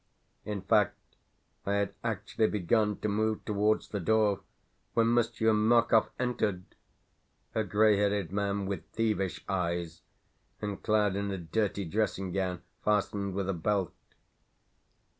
In fact, I had actually begun to move towards the door when Monsieur Markov entered a grey headed man with thievish eyes, and clad in a dirty dressing gown fastened with a belt.